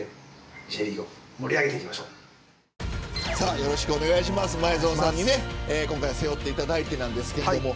よろしくお願いします前園さんに今回、背負っていただいて。